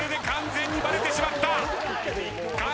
完全にバレてしまった。